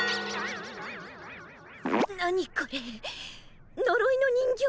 何これのろいの人形？